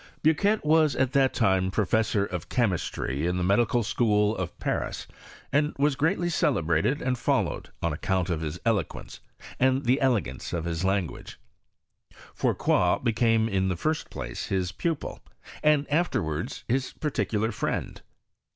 Bucquet was at that time professor of chemistry in the Medical School of Paris, and was greatly celebrated and followed on account of his eloquence, and the elegance of his language. Fourcroy be came in the first place his pupil, and afterwards his particular friend.